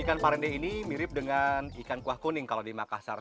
ikan parende ini mirip dengan ikan kuah kuning kalau di makassar